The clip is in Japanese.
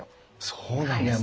そうなんですね。